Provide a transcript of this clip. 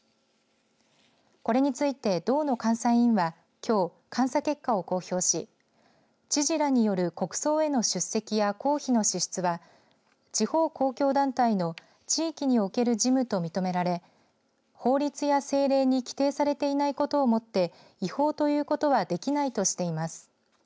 これについて道の監査委員はきょう監査結果を公表し知事らによる国葬への出席や公費の支出は地方公共団体の地域における事務と認められ法律や政令に規定されていないことをもって違法ということはできないとしています。